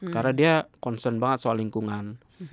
karena dia concern banget soal lingkungan